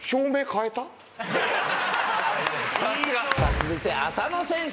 続いて浅野選手。